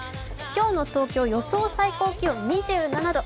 今日の東京、予想最高気温２７度。